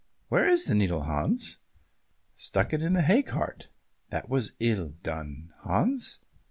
"Where is the needle, Hans?" "Stuck it in the hay cart." "That was ill done, Hans.